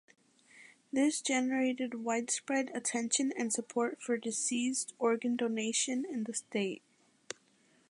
This generated widespread attention and support for deceased organ donation in the state.